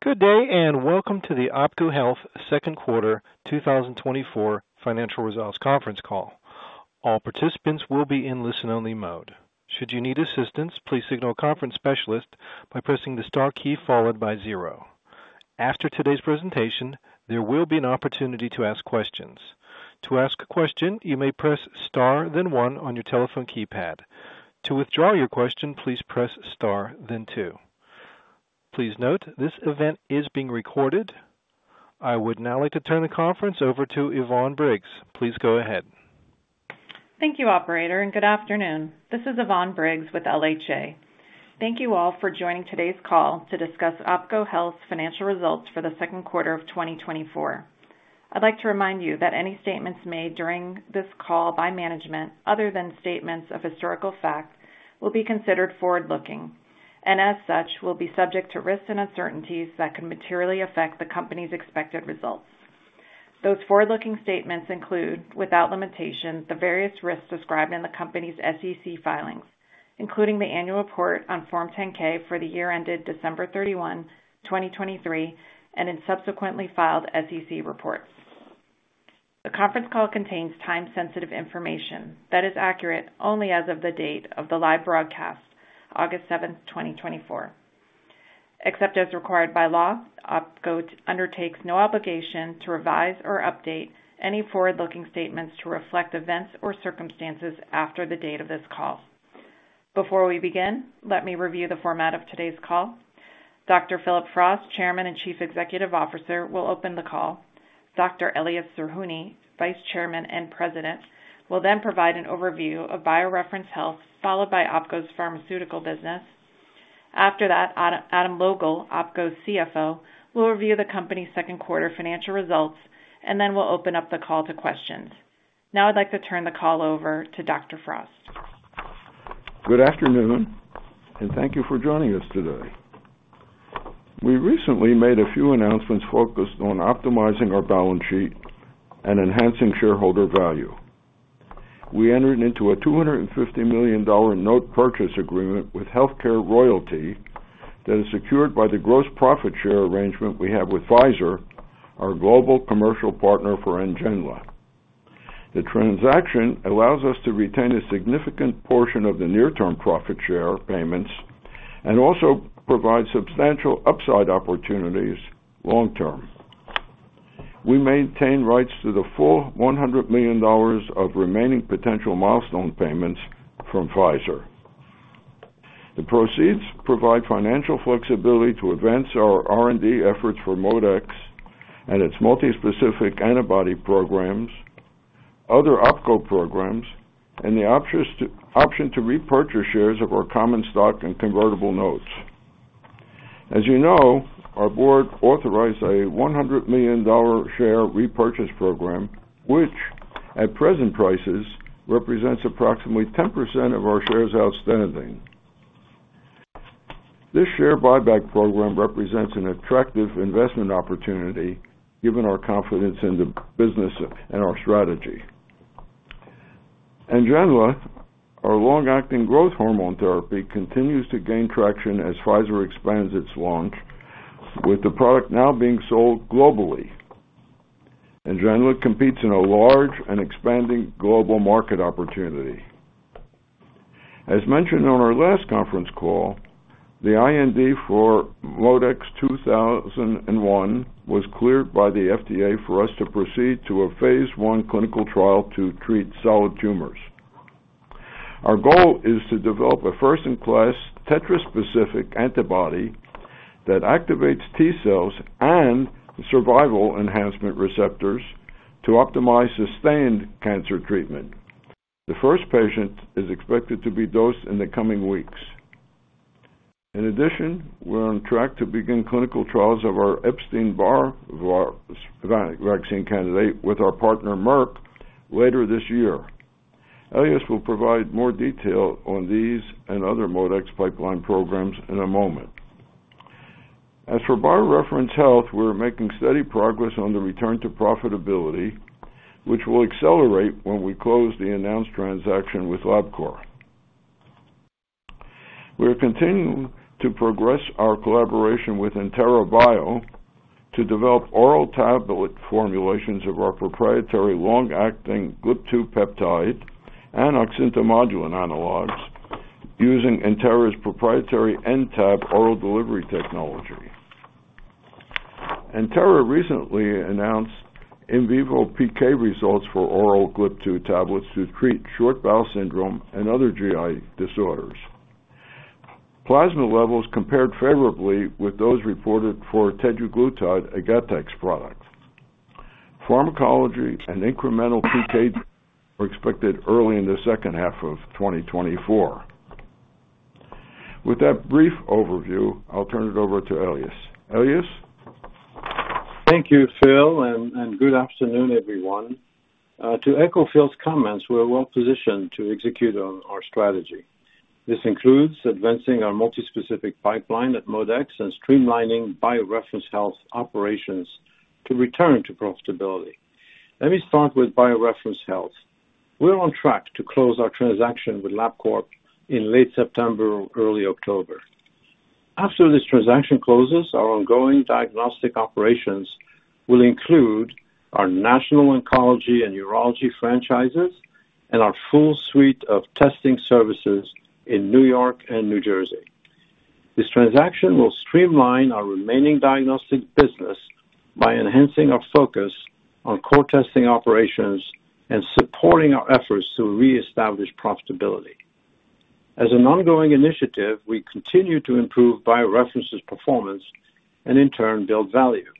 Good day and welcome to the OPKO Health Second Quarter 2024 Financial Results Conference Call. All participants will be in listen-only mode. Should you need assistance, please signal Conference Specialist by pressing the star key followed by zero. After today's presentation, there will be an opportunity to ask questions. To ask a question, you may press star, then one on your telephone keypad. To withdraw your question, please press star, then two. Please note this event is being recorded. I would now like to turn the conference over to Yvonne Briggs. Please go ahead. Thank you, Operator, and good afternoon. This is Yvonne Briggs with LHA. Thank you all for joining today's call to discuss OPKO Health's financial results for the second quarter of 2024. I'd like to remind you that any statements made during this call by management, other than statements of historical fact, will be considered forward-looking and, as such, will be subject to risks and uncertainties that can materially affect the company's expected results. Those forward-looking statements include, without limitation, the various risks described in the company's SEC filings, including the annual report on Form 10-K for the year ended December 31, 2023, and in subsequently filed SEC reports. The conference call contains time-sensitive information that is accurate only as of the date of the live broadcast, August 7, 2024. Except as required by law, OPKO undertakes no obligation to revise or update any forward-looking statements to reflect events or circumstances after the date of this call. Before we begin, let me review the format of today's call. Dr. Phillip Frost, Chairman and Chief Executive Officer, will open the call. Dr. Elias Zerhouni, Vice Chairman and President, will then provide an overview of BioReference Health, followed by OPKO's pharmaceutical business. After that, Adam Logal, OPKO's CFO, will review the company's second quarter financial results and then will open up the call to questions. Now I'd like to turn the call over to Dr. Frost. Good afternoon and thank you for joining us today. We recently made a few announcements focused on optimizing our balance sheet and enhancing shareholder value. We entered into a $250 million note purchase agreement with Healthcare Royalty that is secured by the gross profit share arrangement we have with Pfizer, our global commercial partner for NGENLA. The transaction allows us to retain a significant portion of the near-term profit share payments and also provides substantial upside opportunities long-term. We maintain rights to the full $100 million of remaining potential milestone payments from Pfizer. The proceeds provide financial flexibility to advance our R&D efforts for ModeX and its multi-specific antibody programs, other OPKO programs, and the option to repurchase shares of our common stock and convertible notes. As you know, our board authorized a $100 million share repurchase program, which at present prices represents approximately 10% of our shares outstanding. This share buyback program represents an attractive investment opportunity given our confidence in the business and our strategy. NGENLA, our long-acting growth hormone therapy, continues to gain traction as Pfizer expands its launch, with the product now being sold globally. NGENLA competes in a large and expanding global market opportunity. As mentioned on our last conference call, the IND for MDX-2001 was cleared by the FDA for us to proceed to a phase I clinical trial to treat solid tumors. Our goal is to develop a first-in-class tetra-specific antibody that activates T cells and survival enhancement receptors to optimize sustained cancer treatment. The first patient is expected to be dosed in the coming weeks. In addition, we're on track to begin clinical trials of our Epstein-Barr vaccine candidate with our partner Merck later this year. Elias will provide more detail on these and other ModeX pipeline programs in a moment. As for BioReference Health, we're making steady progress on the return to profitability, which will accelerate when we close the announced transaction with OPKO. We're continuing to progress our collaboration with Entera Bio to develop oral tablet formulations of our proprietary long-acting GLP-2 peptide and oxyntomodulin analogs using Entera’s proprietary N-Tab oral delivery technology. Entera recently announced in vivo PK results for oral GLP-2 tablets to treat short bowel syndrome and other GI disorders. Plasma levels compared favorably with those reported for teduglutide Gattex products. Pharmacology and incremental PKs are expected early in the second half of 2024. With that brief overview, I'll turn it over to Elias. Elias. Thank you, Phil, and good afternoon, everyone. To echo Phil's comments, we're well positioned to execute on our strategy. This includes advancing our multi-specific pipeline at ModeX and streamlining BioReference Health's operations to return to profitability. Let me start with BioReference Health. We're on track to close our transaction with Labcorp in late September, early October. After this transaction closes, our ongoing diagnostic operations will include our national oncology and urology franchises and our full suite of testing services in New York and New Jersey. This transaction will streamline our remaining diagnostic business by enhancing our focus on core testing operations and supporting our efforts to reestablish profitability. As an ongoing initiative, we continue to improve BioReference's performance and, in turn, build value.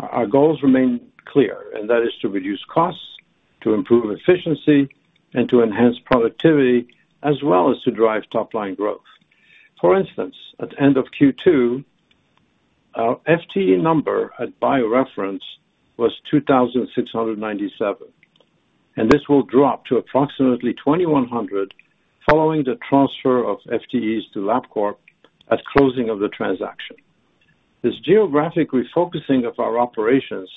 Our goals remain clear, and that is to reduce costs, to improve efficiency, and to enhance productivity, as well as to drive top-line growth. For instance, at the end of Q2, our FTE number at BioReference was 2,697, and this will drop to approximately 2,100 following the transfer of FTEs to Labcorp at closing of the transaction. This geographic refocusing of our operations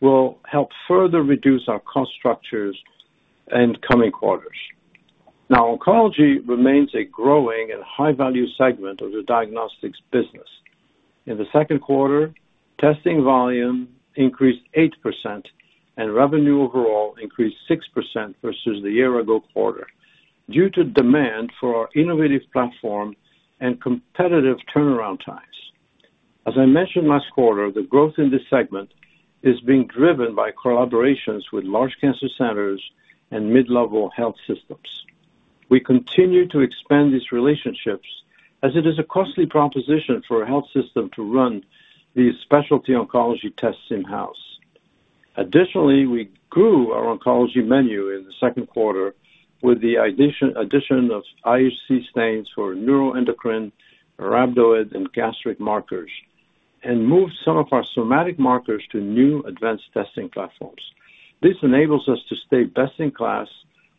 will help further reduce our cost structures in coming quarters. Now, oncology remains a growing and high-value segment of the diagnostics business. In the second quarter, testing volume increased 8%, and revenue overall increased 6% versus the year-ago quarter due to demand for our innovative platform and competitive turnaround times. As I mentioned last quarter, the growth in this segment is being driven by collaborations with large cancer centers and mid-level health systems. We continue to expand these relationships as it is a costly proposition for a health system to run these specialty oncology tests in-house. Additionally, we grew our oncology menu in the second quarter with the addition of IHC stains for neuroendocrine, rhabdoid, and gastric markers, and moved some of our somatic markers to new advanced testing platforms. This enables us to stay best in class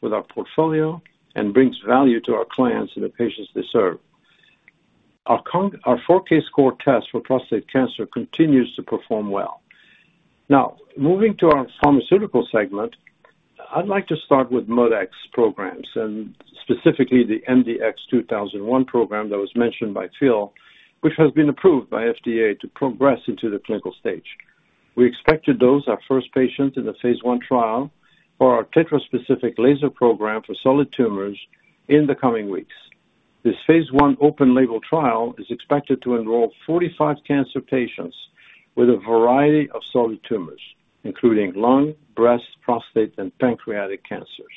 with our portfolio and brings value to our clients and the patients they serve. Our 4Kscore test for prostate cancer continues to perform well. Now, moving to our pharmaceutical segment, I'd like to start with ModeX programs and specifically the MDX-2001 program that was mentioned by Phil, which has been approved by FDA to progress into the clinical stage. We expect to dose our first patient in the phase I trial for our tetra-specific antibody program for solid tumors in the coming weeks. This phase I open-label trial is expected to enroll 45 cancer patients with a variety of solid tumors, including lung, breast, prostate, and pancreatic cancers,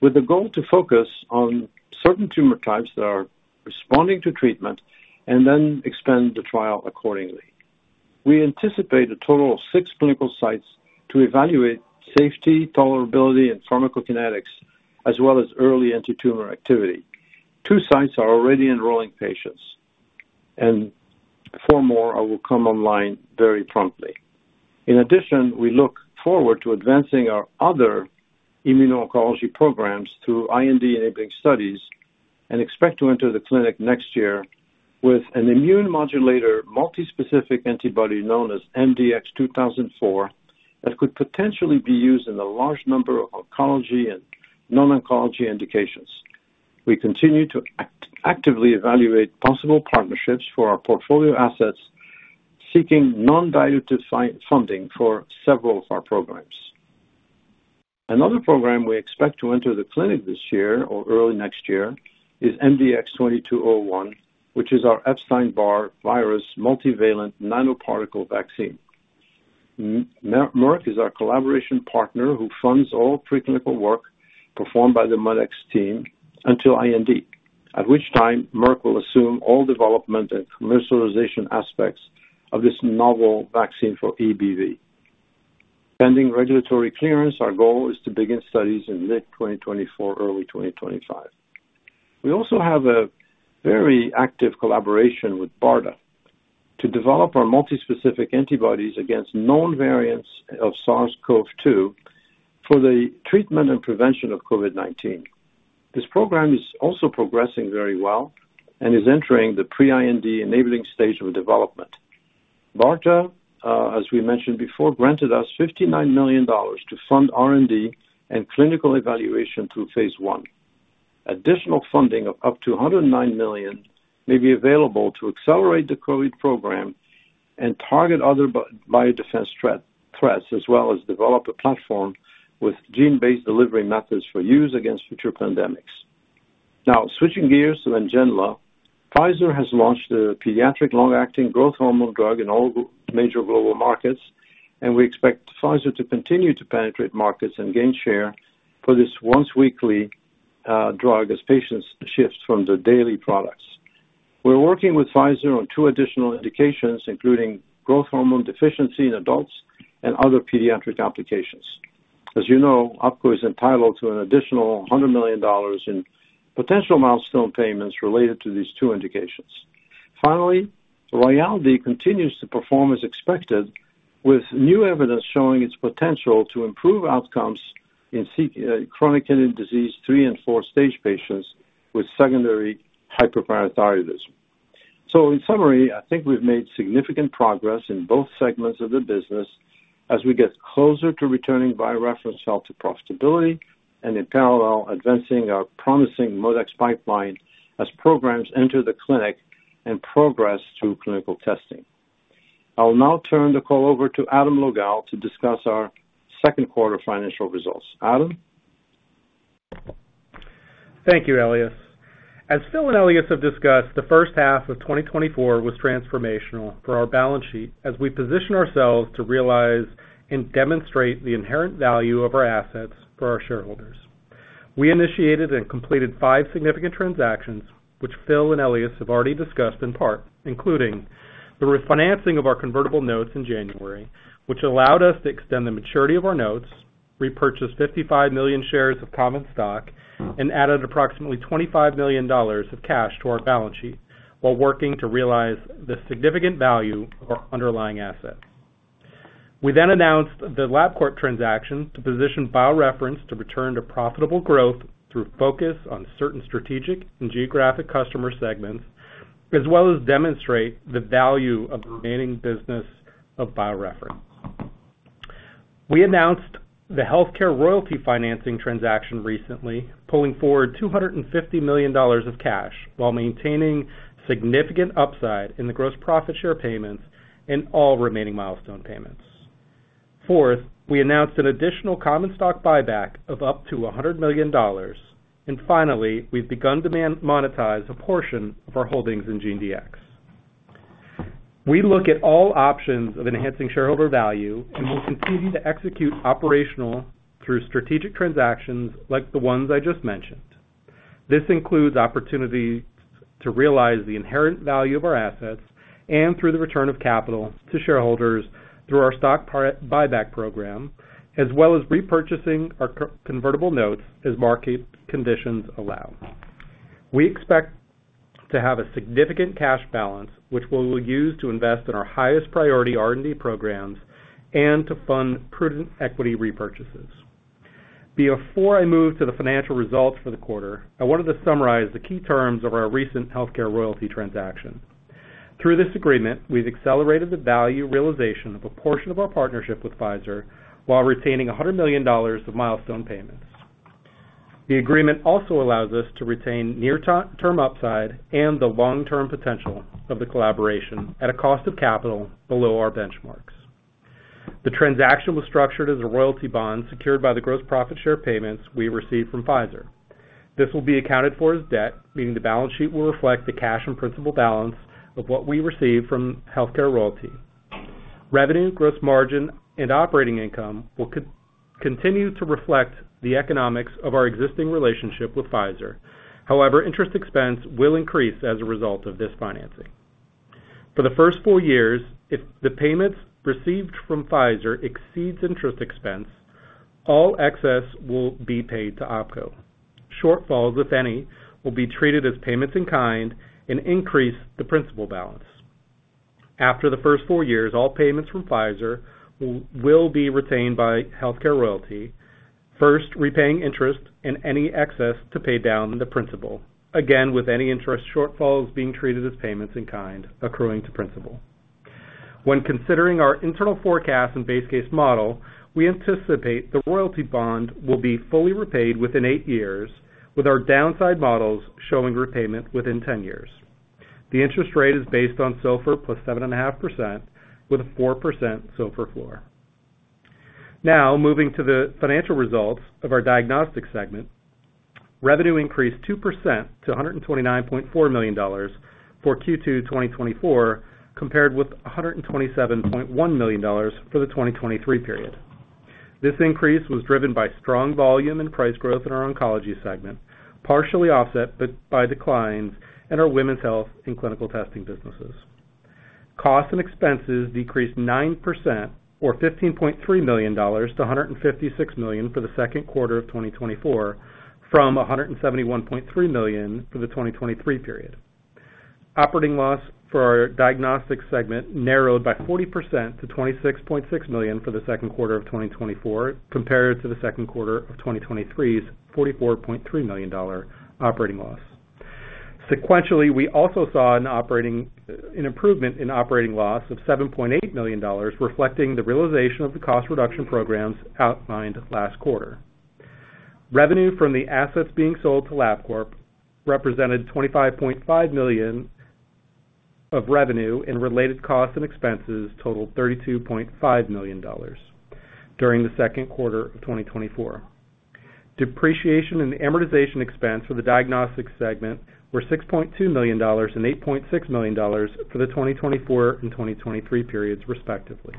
with the goal to focus on certain tumor types that are responding to treatment and then expand the trial accordingly. We anticipate a total of six clinical sites to evaluate safety, tolerability, and pharmacokinetics, as well as early anti-tumor activity. Two sites are already enrolling patients, and fore more will come online very promptly. In addition, we look forward to advancing our other immuno-oncology programs through IND enabling studies and expect to enter the clinic next year with an immune modulator multi-specific antibody known as MDX-2004 that could potentially be used in a large number of oncology and non-oncology indications. We continue to actively evaluate possible partnerships for our portfolio assets, seeking non-dilutive funding for several of our programs. Another program we expect to enter the clinic this year or early next year is MDX-2201, which is our Epstein-Barr virus multivalent nanoparticle vaccine. Merck is our collaboration partner who funds all preclinical work performed by the ModeX team until IND, at which time Merck will assume all development and commercialization aspects of this novel vaccine for EBV. Pending regulatory clearance, our goal is to begin studies in late 2024, early 2025. We also have a very active collaboration with BARDA to develop our multi-specific antibodies against known variants of SARS-CoV-2 for the treatment and prevention of COVID-19. This program is also progressing very well and is entering the pre-IND enabling stage of development. BARDA, as we mentioned before, granted us $59 million to fund R&D and clinical evaluation through phase I. Additional funding of up to $109 million may be available to accelerate the COVID program and target other biodefense threats, as well as develop a platform with gene-based delivery methods for use against future pandemics. Now, switching gears to NGENLA, Pfizer has launched a pediatric long-acting growth hormone drug in all major global markets, and we expect Pfizer to continue to penetrate markets and gain share for this once-weekly drug as patients shift from the daily products. We're working with Pfizer on two additional indications, including growth hormone deficiency in adults and other pediatric applications. As you know, OPKO is entitled to an additional $100 million in potential milestone payments related to these two indications. Finally, Rayaldee continues to perform as expected, with new evidence showing its potential to improve outcomes in chronic kidney disease 3 and 4 stage patients with secondary hyperparathyroidism. In summary, I think we've made significant progress in both segments of the business as we get closer to returning BioReference Health to profitability and, in parallel, advancing our promising ModeX pipeline as programs enter the clinic and progress through clinical testing. I'll now turn the call over to Adam Logal to discuss our second quarter financial results. Adam. Thank you, Elias. As Phil and Elias have discussed, the first half of 2024 was transformational for our balance sheet as we position ourselves to realize and demonstrate the inherent value of our assets for our shareholders. We initiated and completed 5 significant transactions, which Phil and Elias have already discussed in part, including the refinancing of our convertible notes in January, which allowed us to extend the maturity of our notes, repurchase 55 million shares of common stock, and added approximately $25 million of cash to our balance sheet while working to realize the significant value of our underlying asset. We then announced the Labcorp transaction to position BioReference to return to profitable growth through focus on certain strategic and geographic customer segments, as well as demonstrate the value of the remaining business of BioReference. We announced the Healthcare Royalty financing transaction recently, pulling forward $250 million of cash while maintaining significant upside in the gross profit share payments and all remaining milestone payments. Fourth, we announced an additional common stock buyback of up to $100 million. And finally, we've begun to monetize a portion of our holdings in GeneDX. We look at all options of enhancing shareholder value and will continue to execute operational through strategic transactions like the ones I just mentioned. This includes opportunities to realize the inherent value of our assets and through the return of capital to shareholders through our stock buyback program, as well as repurchasing our convertible notes as market conditions allow. We expect to have a significant cash balance, which we'll use to invest in our highest priority R&D programs and to fund prudent equity repurchases. Before I move to the financial results for the quarter, I wanted to summarize the key terms of our recent Healthcare Royalty transaction. Through this agreement, we've accelerated the value realization of a portion of our partnership with Pfizer while retaining $100 million of milestone payments. The agreement also allows us to retain near-term upside and the long-term potential of the collaboration at a cost of capital below our benchmarks. The transaction was structured as a royalty bond secured by the gross profit share payments we received from Pfizer. This will be accounted for as debt, meaning the balance sheet will reflect the cash and principal balance of what we receive from Healthcare Royalty. Revenue, gross margin, and operating income will continue to reflect the economics of our existing relationship with Pfizer. However, interest expense will increase as a result of this financing. For the first 4 years, if the payments received from Pfizer exceed interest expense, all excess will be paid to OPKO. Shortfalls, if any, will be treated as payments in kind and increase the principal balance. After the first 4 years, all payments from Pfizer will be retained by Healthcare Royalty, first repaying interest and any excess to pay down the principal, again with any interest shortfalls being treated as payments in kind accruing to principal. When considering our internal forecast and base case model, we anticipate the royalty bond will be fully repaid within 8 years, with our downside models showing repayment within 10 years. The interest rate is based on SOFR plus 7.5% with a 4% SOFR floor. Now, moving to the financial results of our diagnostic segment, revenue increased 2% to $129.4 million for Q2 2024, compared with $127.1 million for the 2023 period. This increase was driven by strong volume and price growth in our oncology segment, partially offset by declines in our women's health and clinical testing businesses. Costs and expenses decreased 9%, or $15.3 million to $156 million for the second quarter of 2024, from $171.3 million for the 2023 period. Operating loss for our diagnostic segment narrowed by 40% to $26.6 million for the second quarter of 2024, compared to the second quarter of 2023's $44.3 million operating loss. Sequentially, we also saw an improvement in operating loss of $7.8 million, reflecting the realization of the cost reduction programs outlined last quarter. Revenue from the assets being sold to Labcorp represented $25.5 million of revenue, and related costs and expenses totaled $32.5 million during the second quarter of 2024. Depreciation and amortization expense for the diagnostic segment were $6.2 million and $8.6 million for the 2024 and 2023 periods, respectively.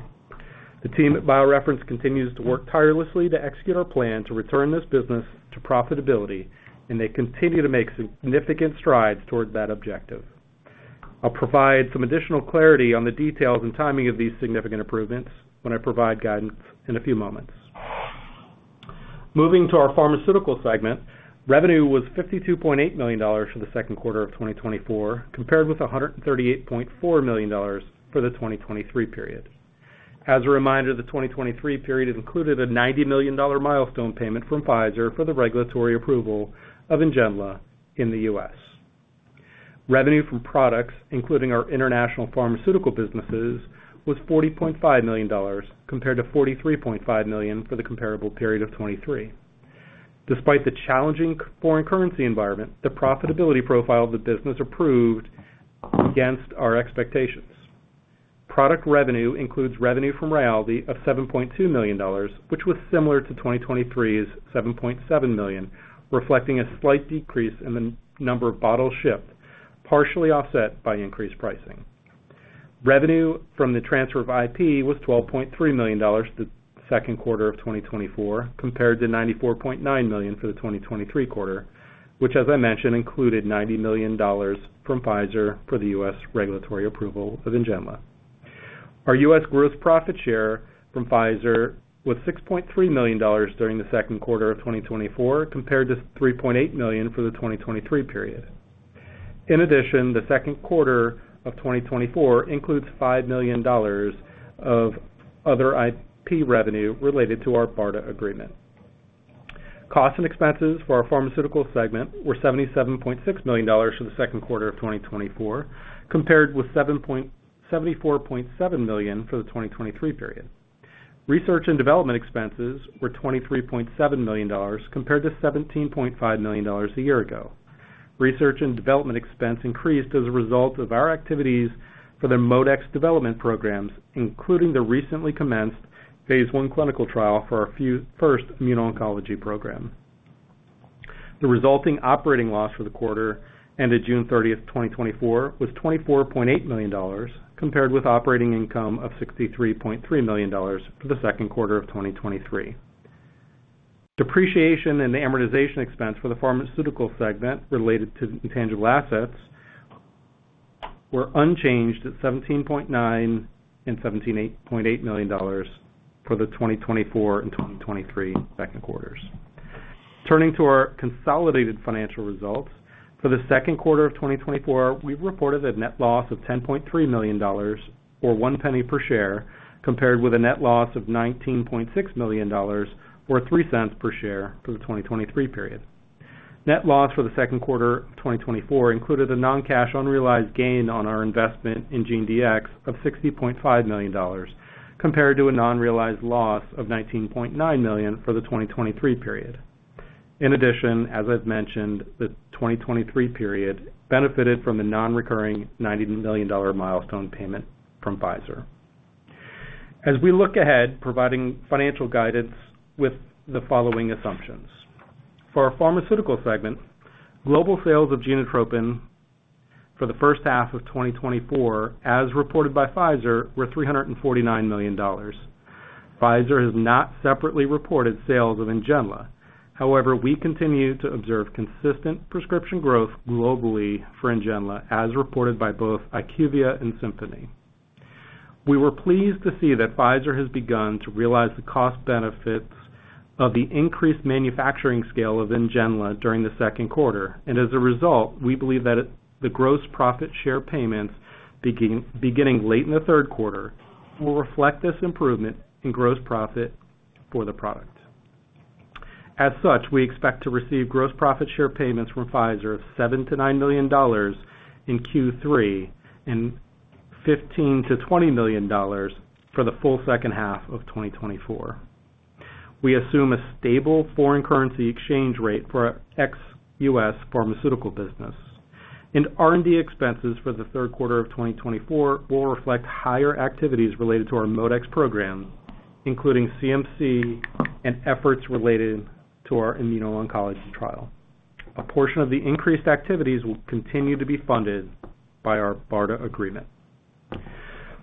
The team at BioReference continues to work tirelessly to execute our plan to return this business to profitability, and they continue to make significant strides toward that objective. I'll provide some additional clarity on the details and timing of these significant improvements when I provide guidance in a few moments. Moving to our pharmaceutical segment, revenue was $52.8 million for the second quarter of 2024, compared with $138.4 million for the 2023 period. As a reminder, the 2023 period included a $90 million milestone payment from Pfizer for the regulatory approval of NGENLA in the U.S. Revenue from products, including our international pharmaceutical businesses, was $40.5 million, compared to $43.5 million for the comparable period of 2023. Despite the challenging foreign currency environment, the profitability profile of the business improved against our expectations. Product revenue includes revenue from Rayaldee of $7.2 million, which was similar to 2023's $7.7 million, reflecting a slight decrease in the number of bottles shipped, partially offset by increased pricing. Revenue from the transfer of IP was $12.3 million the second quarter of 2024, compared to $94.9 million for the 2023 quarter, which, as I mentioned, included $90 million from Pfizer for the U.S. regulatory approval of NGENLA. Our U.S. gross profit share from Pfizer was $6.3 million during the second quarter of 2024, compared to $3.8 million for the 2023 period. In addition, the second quarter of 2024 includes $5 million of other IP revenue related to our BARDA agreement. Costs and expenses for our pharmaceutical segment were $77.6 million for the second quarter of 2024, compared with $74.7 million for the 2023 period. Research and development expenses were $23.7 million, compared to $17.5 million a year ago. Research and development expense increased as a result of our activities for the ModeX development programs, including the recently commenced phase I clinical trial for our first immuno-oncology program. The resulting operating loss for the quarter ended June 30th, 2024, was $24.8 million, compared with operating income of $63.3 million for the second quarter of 2023. Depreciation and amortization expense for the pharmaceutical segment related to intangible assets were unchanged at $17.9 and $17.8 million for the 2024 and 2023 second quarters. Turning to our consolidated financial results, for the second quarter of 2024, we reported a net loss of $10.3 million, or $0.01 per share, compared with a net loss of $19.6 million, or $0.03 per share for the 2023 period. Net loss for the second quarter of 2024 included a non-cash unrealized gain on our investment in GeneDx of $60.5 million, compared to a non-realized loss of $19.9 million for the 2023 period. In addition, as I've mentioned, the 2023 period benefited from the non-recurring $90 million milestone payment from Pfizer. As we look ahead, providing financial guidance with the following assumptions. For our pharmaceutical segment, global sales of Genotropin for the first half of 2024, as reported by Pfizer, were $349 million. Pfizer has not separately reported sales of NGENLA. However, we continue to observe consistent prescription growth globally for NGENLA, as reported by both IQVIA and Symphony. We were pleased to see that Pfizer has begun to realize the cost benefits of the increased manufacturing scale of NGENLA during the second quarter. As a result, we believe that the gross profit share payments beginning late in the third quarter will reflect this improvement in gross profit for the product. As such, we expect to receive gross profit share payments from Pfizer of $7-$9 million in Q3 and $15-$20 million for the full second half of 2024. We assume a stable foreign currency exchange rate for XUS pharmaceutical business. R&D expenses for the third quarter of 2024 will reflect higher activities related to our ModeX program, including CMC and efforts related to our immuno-oncology trial. A portion of the increased activities will continue to be funded by our BARDA agreement.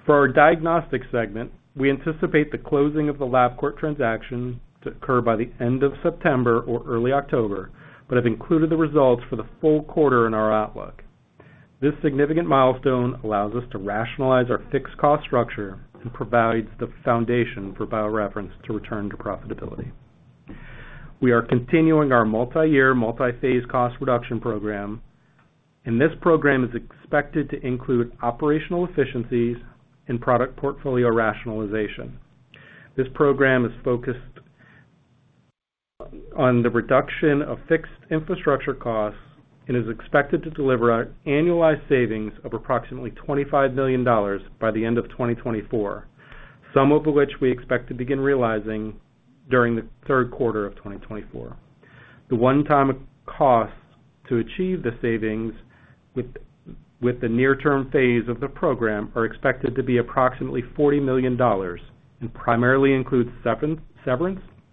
For our diagnostic segment, we anticipate the closing of the Labcorp transaction to occur by the end of September or early October, but have included the results for the full quarter in our outlook. This significant milestone allows us to rationalize our fixed cost structure and provides the foundation for BioReference Health to return to profitability. We are continuing our multi-year, multi-phase cost reduction program, and this program is expected to include operational efficiencies and product portfolio rationalization. This program is focused on the reduction of fixed infrastructure costs and is expected to deliver annualized savings of approximately $25 million by the end of 2024, some of which we expect to begin realizing during the third quarter of 2024. The one-time costs to achieve the savings with the near-term phase of the program are expected to be approximately $40 million and primarily include severance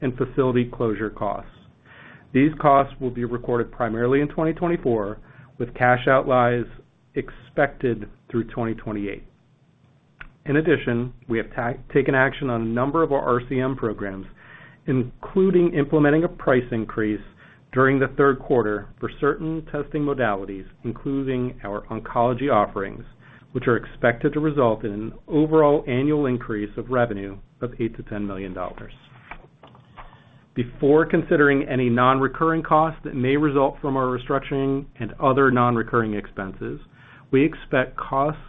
and facility closure costs. These costs will be recorded primarily in 2024, with cash outflows expected through 2028. In addition, we have taken action on a number of our RCM programs, including implementing a price increase during the third quarter for certain testing modalities, including our oncology offerings, which are expected to result in an overall annual increase of revenue of $8-$10 million. Before considering any non-recurring costs that may result from our restructuring and other non-recurring expenses, we expect costs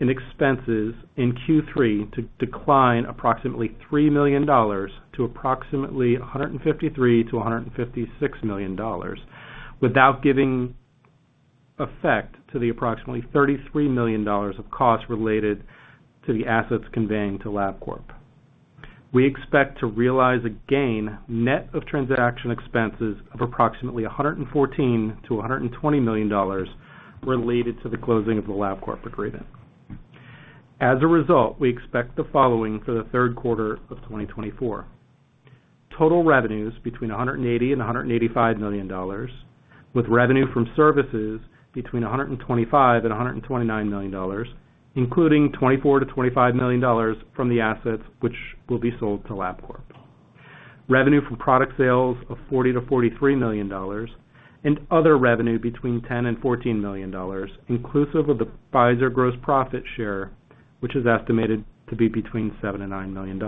and expenses in Q3 to decline approximately $3 million to approximately $153-$156 million, without giving effect to the approximately $33 million of costs related to the assets conveying to Labcorp. We expect to realize a gain net of transaction expenses of approximately $114-$120 million related to the closing of the Labcorp agreement. As a result, we expect the following for the third quarter of 2024: total revenues between $180-$185 million, with revenue from services between $125-$129 million, including $24-$25 million from the assets which will be sold to Labcorp. Revenue from product sales of $40-$43 million, and other revenue between $10-$14 million, inclusive of the Pfizer gross profit share, which is estimated to be between $7-$9 million.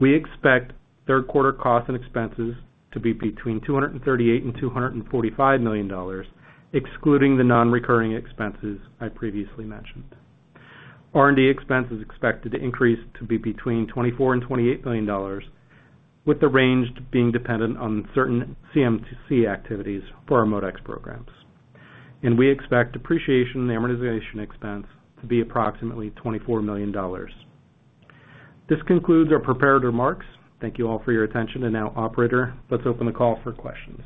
We expect third quarter costs and expenses to be between $238-$245 million, excluding the non-recurring expenses I previously mentioned. R&D expenses are expected to increase to be between $24-$28 million, with the range being dependent on certain CMC activities for our ModeX programs. We expect depreciation and amortization expense to be approximately $24 million. This concludes our prepared remarks. Thank you all for your attention, and now, Operator, let's open the call for questions.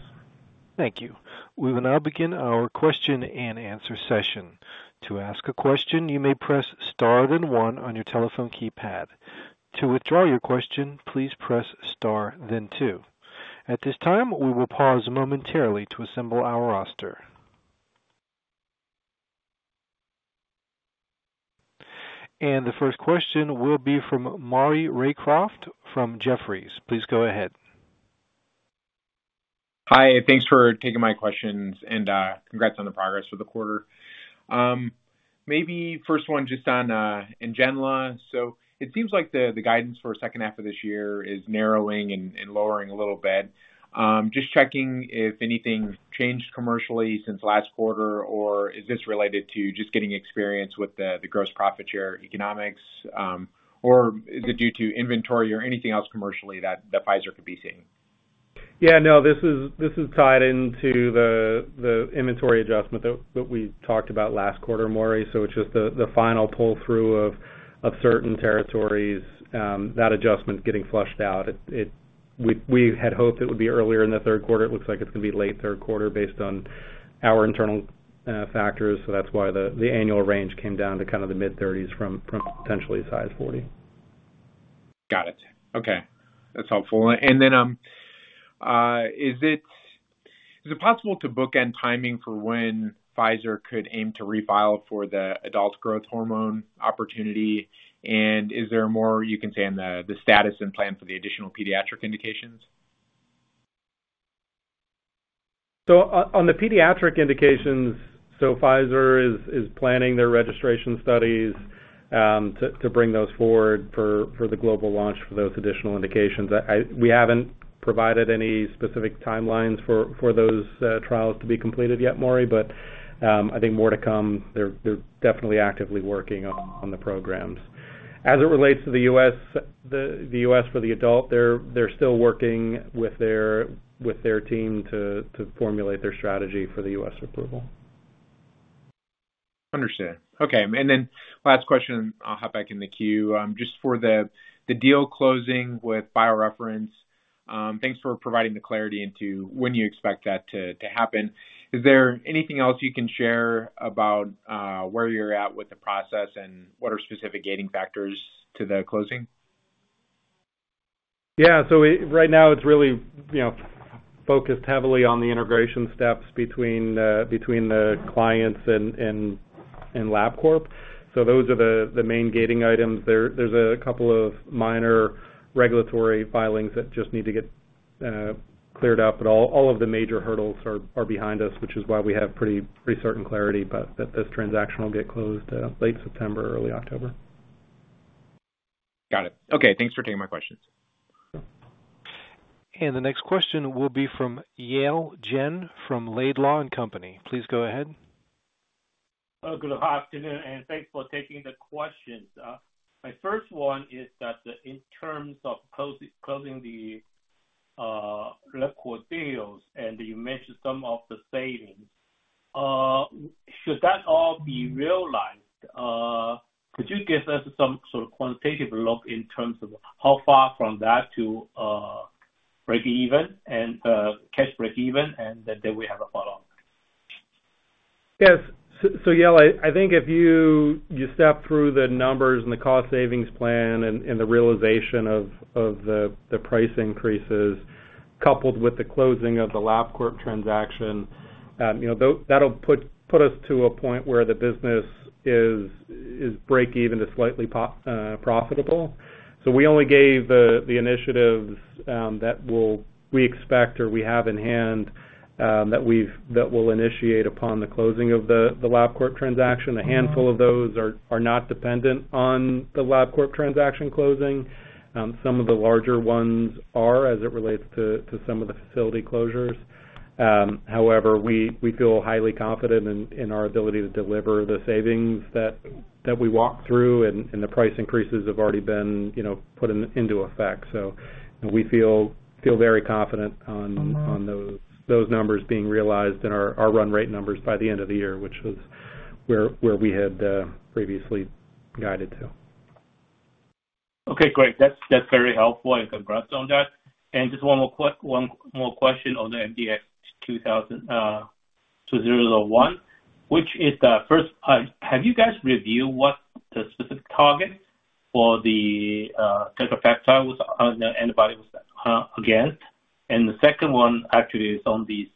Thank you. We will now begin our question and answer session. To ask a question, you may press star then one on your telephone keypad. To withdraw your question, please press star then two. At this time, we will pause momentarily to assemble our roster. And the first question will be from Maury Raycroft from Jefferies. Please go ahead. Hi. Thanks for taking my questions, and congrats on the progress for the quarter. Maybe first one just on NGENLA. So it seems like the guidance for the second half of this year is narrowing and lowering a little bit. Just checking if anything changed commercially since last quarter, or is this related to just getting experience with the gross profit share economics, or is it due to inventory or anything else commercially that Pfizer could be seeing? Yeah, no, this is tied into the inventory adjustment that we talked about last quarter, Mari. So it's just the final pull-through of certain territories. That adjustment's getting flushed out. We had hoped it would be earlier in the third quarter. It looks like it's going to be late third quarter based on our internal factors. So that's why the annual range came down to kind of the mid-30s from potentially size 40. Got it. Okay. That's helpful. And then is it possible to bookend timing for when Pfizer could aim to refile for the adult growth hormone opportunity? Is there more you can say on the status and plan for the additional pediatric indications? So on the pediatric indications, Pfizer is planning their registration studies to bring those forward for the global launch for those additional indications. We haven't provided any specific timelines for those trials to be completed yet, Mari, but I think more to come. They're definitely actively working on the programs. As it relates to the U.S., the U.S. for the adult, they're still working with their team to formulate their strategy for the U.S. approval. Understood. Okay. And then last question, I'll hop back in the queue. Just for the deal closing with BioReference, thanks for providing the clarity into when you expect that to happen. Is there anything else you can share about where you're at with the process and what are specific gating factors to the closing? Yeah. So right now, it's really focused heavily on the integration steps between the clients and Labcorp. So those are the main gating items. There's a couple of minor regulatory filings that just need to get cleared up. But all of the major hurdles are behind us, which is why we have pretty certain clarity that this transaction will get closed late September, early October. Got it. Okay. Thanks for taking my questions. And the next question will be from Yale Jen from Laidlaw & Company. Please go ahead. Good afternoon, and thanks for taking the questions. My first one is that in terms of closing the Labcorp deals, and you mentioned some of the savings, should that all be realized? Could you give us some sort of quantitative look in terms of how far from that to break even and cash break even, and then we have a follow-up? Yes. So Yale, I think if you step through the numbers and the cost savings plan and the realization of the price increases coupled with the closing of the Labcorp transaction, that'll put us to a point where the business is break even to slightly profitable. So we only gave the initiatives that we expect or we have in hand that we'll initiate upon the closing of the Labcorp transaction. A handful of those are not dependent on the Labcorp transaction closing. Some of the larger ones are as it relates to some of the facility closures. However, we feel highly confident in our ability to deliver the savings that we walked through, and the price increases have already been put into effect. So we feel very confident on those numbers being realized in our run rate numbers by the end of the year, which was where we had previously guided to. Okay. Great. That's very helpful and congrats on that. And just one more question on the MDX-2001, which is the first, have you guys reviewed what the specific target for the tetra-specific antibody was against? And the second one actually is on the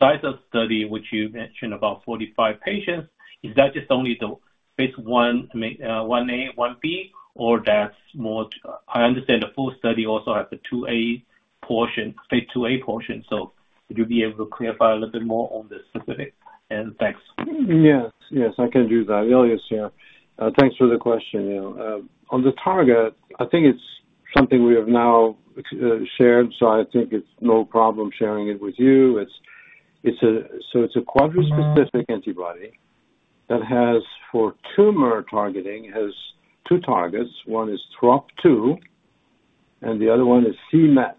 size of study, which you mentioned about 45 patients. Is that just only the phase I, IA, IB, or that's more? I understand the full study also has the 2A portion, phase IIA portion. So would you be able to clarify a little bit more on the specific? And thanks. Yes. Yes. I can do that. Elias, yeah. Thanks for the question. On the target, I think it's something we have now shared, so I think it's no problem sharing it with you. So it's a tetra-specific antibody that has for tumor targeting has two targets. One is TROP2, and the other one is c-Met.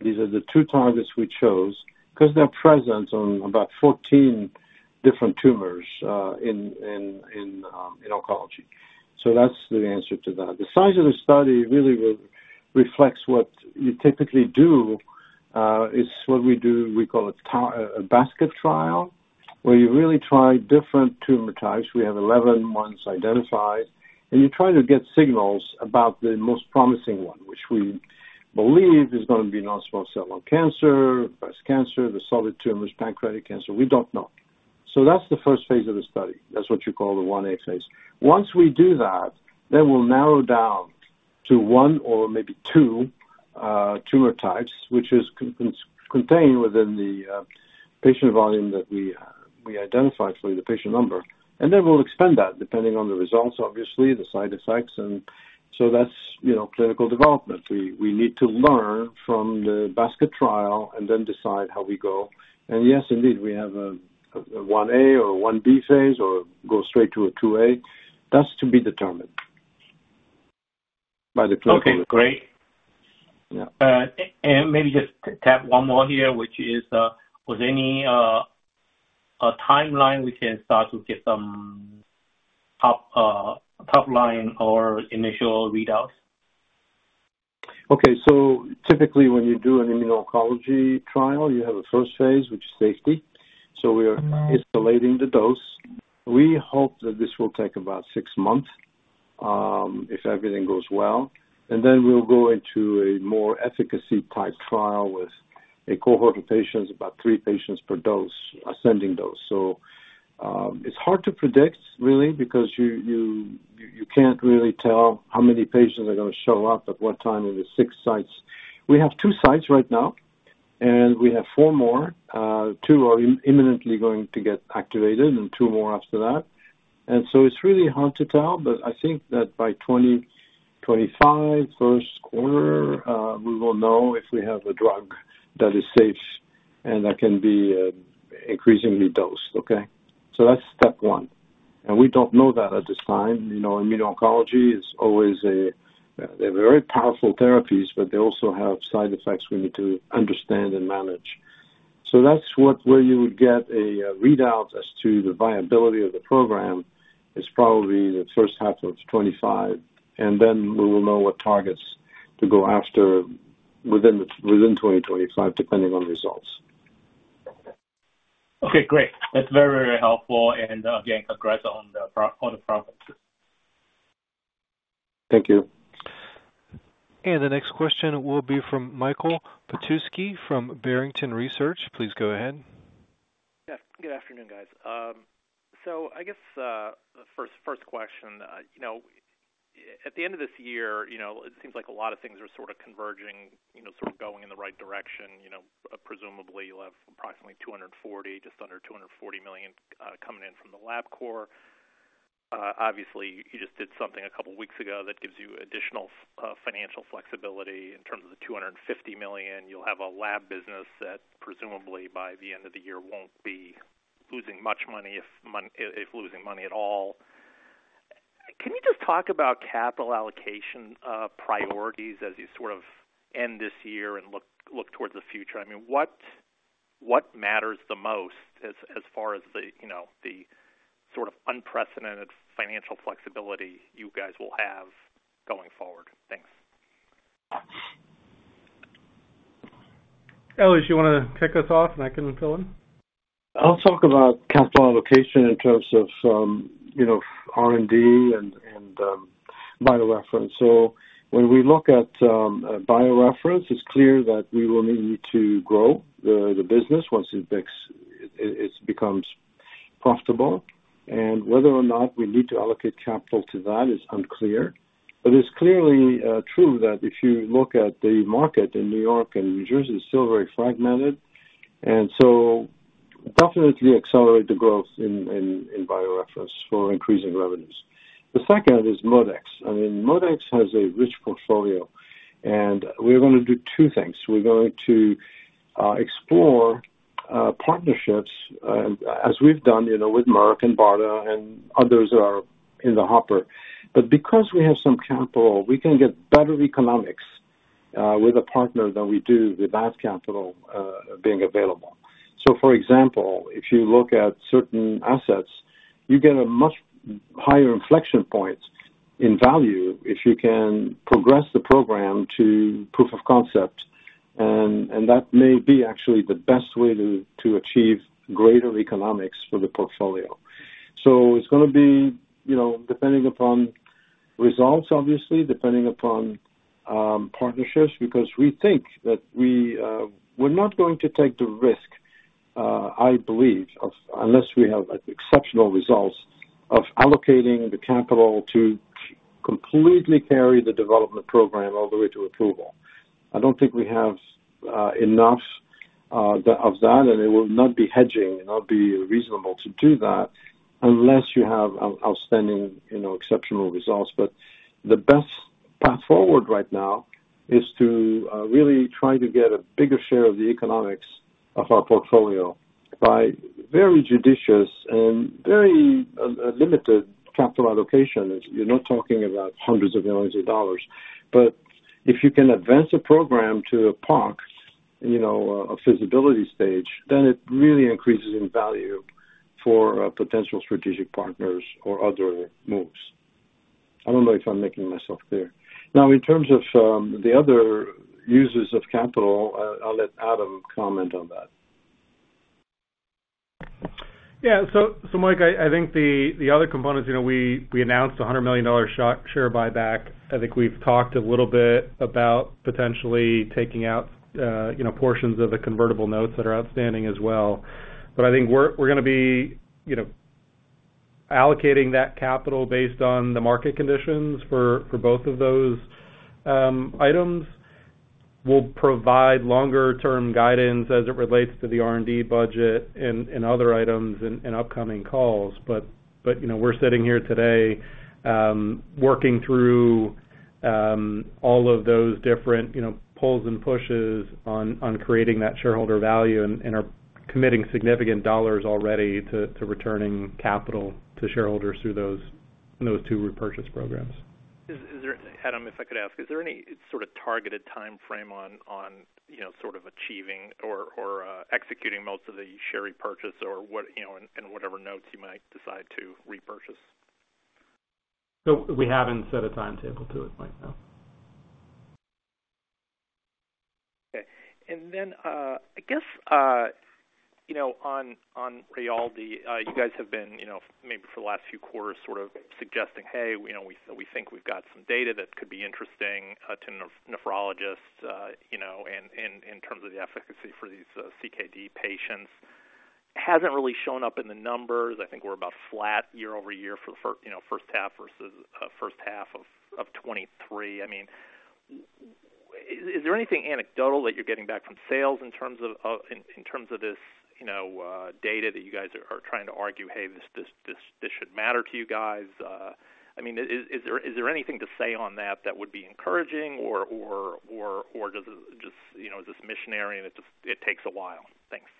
These are the two targets we chose because they're present on about 14 different tumors in oncology. So that's the answer to that. The size of the study really reflects what you typically do. It's what we do. We call it a basket trial, where you really try different tumor types. We have 11 ones identified, and you try to get signals about the most promising one, which we believe is going to be non-small cell lung cancer, breast cancer, the solid tumors, pancreatic cancer. We don't know. So that's the first phase of the study. That's what you call the IA phase. Once we do that, then we'll narrow down to one or maybe two tumor types, which is contained within the patient volume that we identified for the patient number. And then we'll expand that depending on the results, obviously, the side effects. And so that's clinical development. We need to learn from the basket trial and then decide how we go. And yes, indeed, we have a phase 1A or 1B or go straight to a phase IIA. That's to be determined by the clinical. Okay. Great. And maybe just tap one more here, which is, was there any timeline we can start to get some top line or initial readouts? Okay. So typically, when you do an immuno-oncology trial, you have a first phase, which is safety. So we are escalating the dose. We hope that this will take about six months if everything goes well. And then we'll go into a more efficacy-type trial with a cohort of patients, about three patients per dose, ascending dose. So it's hard to predict, really, because you can't really tell how many patients are going to show up at what time in the six sites. We have two sites right now, and we have four more. Two are imminently going to get activated and two more after that. And so it's really hard to tell, but I think that by 2025, first quarter, we will know if we have a drug that is safe and that can be increasingly dosed. Okay? So that's step one. And we don't know that at this time. Immuno-oncology is always a very powerful therapy, but they also have side effects we need to understand and manage. So that's where you would get a readout as to the viability of the program is probably the first half of 2025. And then we will know what targets to go after within 2025, depending on results. Okay. Great. That's very, very helpful. And again, congrats on the progress. Thank you. And the next question will be from Michael Petusky from Barrington Research. Please go ahead. Yes. Good afternoon, guys. So I guess the first question, at the end of this year, it seems like a lot of things are sort of converging, sort of going in the right direction. Presumably, you'll have approximately $240 million, just under $240 million coming in from the Labcorp. Obviously, you just did something a couple of weeks ago that gives you additional financial flexibility in terms of the $250 million. You'll have a lab business that presumably by the end of the year won't be losing much money, if losing money at all. Can you just talk about capital allocation priorities as you sort of end this year and look towards the future? I mean, what matters the most as far as the sort of unprecedented financial flexibility you guys will have going forward? Thanks. Elias, you want to kick us off, and I can fill in? I'll talk about capital allocation in terms of R&D and BioReference. When we look at BioReference, it's clear that we will need to grow the business once it becomes profitable. And whether or not we need to allocate capital to that is unclear. It's clearly true that if you look at the market in New York and New Jersey, it's still very fragmented. And so definitely accelerate the growth in BioReference for increasing revenues. The second is ModeX. I mean, ModeX has a rich portfolio, and we're going to do two things. We're going to explore partnerships, as we've done with Merck and BARDA and others that are in the hopper. But because we have some capital, we can get better economics with a partner than we do without capital being available. So for example, if you look at certain assets, you get a much higher inflection point in value if you can progress the program to proof of concept. And that may be actually the best way to achieve greater economics for the portfolio. So it's going to be depending upon results, obviously, depending upon partnerships, because we think that we're not going to take the risk, I believe, unless we have exceptional results of allocating the capital to completely carry the development program all the way to approval. I don't think we have enough of that, and it will not be hedging and not be reasonable to do that unless you have outstanding exceptional results. But the best path forward right now is to really try to get a bigger share of the economics of our portfolio by very judicious and very limited capital allocation. You're not talking about $hundreds of millions. But if you can advance a program to a POC, a feasibility stage, then it really increases in value for potential strategic partners or other moves. I don't know if I'm making myself clear. Now, in terms of the other uses of capital, I'll let Adam comment on that. Yeah. So Mike, I think the other components, we announced a $100 million share buyback. I think we've talked a little bit about potentially taking out portions of the convertible notes that are outstanding as well. But I think we're going to be allocating that capital based on the market conditions for both of those items. We'll provide longer-term guidance as it relates to the R&D budget and other items in upcoming calls. But we're sitting here today working through all of those different pulls and pushes on creating that shareholder value and are committing significant dollars already to returning capital to shareholders through those two repurchase programs. Adam, if I could ask, is there any sort of targeted timeframe on sort of achieving or executing most of the share repurchase or in whatever notes you might decide to repurchase? So we haven't set a timetable to it right now. Okay. And then I guess on Rayaldee, you guys have been maybe for the last few quarters sort of suggesting, "Hey, we think we've got some data that could be interesting to nephrologists in terms of the efficacy for these CKD patients." It hasn't really shown up in the numbers. I think we're about flat year over year for the first half versus first half of 2023. I mean, is there anything anecdotal that you're getting back from sales in terms of this data that you guys are trying to argue, "Hey, this should matter to you guys"? I mean, is there anything to say on that that would be encouraging, or does it just, is this missionary and it takes a while? Thanks.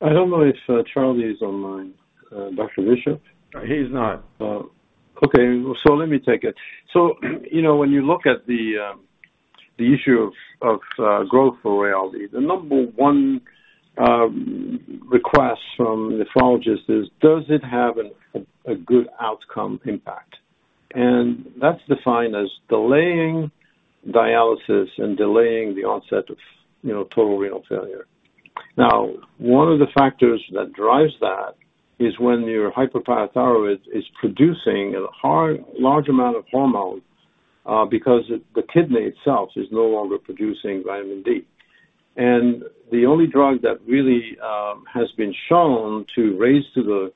I don't know if Charlie is online. Dr. Bishop? He's not. Okay. So let me take it. So when you look at the issue of growth for Rayaldee, the number one request from nephrologists is, does it have a good outcome impact? And that's defined as delaying dialysis and delaying the onset of total renal failure. Now, one of the factors that drives that is when your hyperparathyroid is producing a large amount of hormone because the kidney itself is no longer producing vitamin D. And the only drug that really has been shown to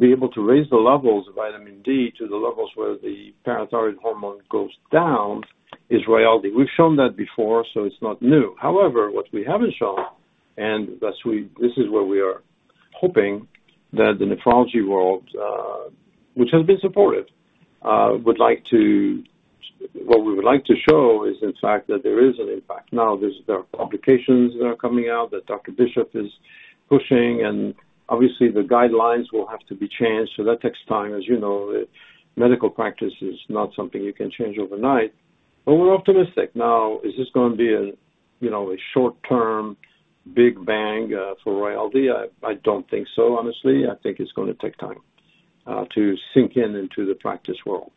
be able to raise the levels of vitamin D to the levels where the parathyroid hormone goes down is Rayaldee. We've shown that before, so it's not new. However, what we haven't shown, and this is where we are hoping that the nephrology world, which has been supportive, would like to what we would like to show is, in fact, that there is an impact. Now, there are complications that are coming out that Dr. Bishop is pushing, and obviously, the guidelines will have to be changed. So that takes time. As you know, medical practice is not something you can change overnight. But we're optimistic. Now, is this going to be a short-term big bang for Rayaldee? I don't think so, honestly. I think it's going to take time to sink in into the practice world.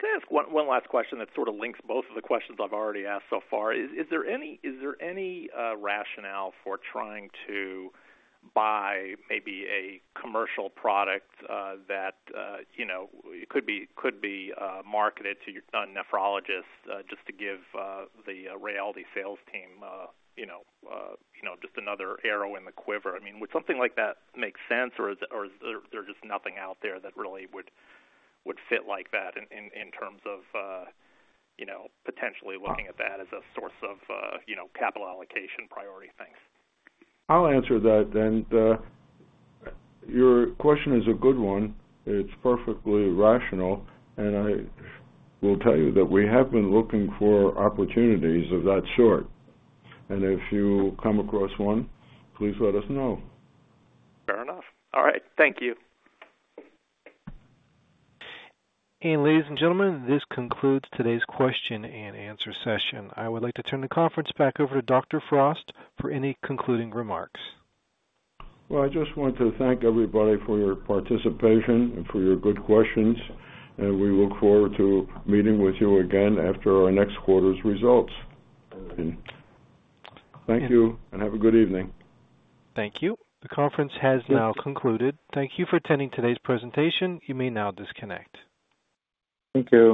Can I ask one last question that sort of links both of the questions I've already asked so far? Is there any rationale for trying to buy maybe a commercial product that could be marketed to nephrologists just to give the Rayaldee sales team just another arrow in the quiver? I mean, would something like that make sense, or is there just nothing out there that really would fit like that in terms of potentially looking at that as a source of capital allocation priority? Thanks. I'll answer that then. Your question is a good one. It's perfectly rational. And I will tell you that we have been looking for opportunities of that sort. And if you come across one, please let us know. Fair enough. All right. Thank you. And ladies and gentlemen, this concludes today's question and answer session. I would like to turn the conference back over to Dr. Frost for any concluding remarks. Well, I just want to thank everybody for your participation and for your good questions. We look forward to meeting with you again after our next quarter's results. Thank you, and have a good evening. Thank you. The conference has now concluded. Thank you for attending today's presentation. You may now disconnect. Thank you.